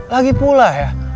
lagi pula ya